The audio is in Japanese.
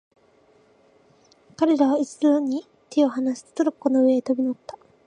彼等は一度に手をはなすと、トロッコの上へ飛び乗った。